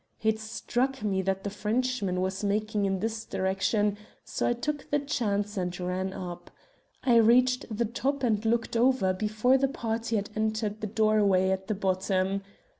It struck me that the Frenchman was making in this direction, so I took the chance and ran up. I reached the top and looked over before the party had entered the doorway at the bottom.